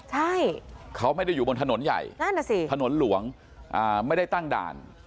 ใช่เขาไม่ได้อยู่บนถนนใหญ่นั่นน่ะสิถนนหลวงอ่าไม่ได้ตั้งด่าน